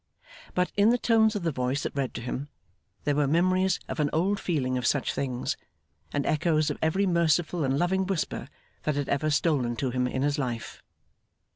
But, in the tones of the voice that read to him, there were memories of an old feeling of such things, and echoes of every merciful and loving whisper that had ever stolen to him in his life.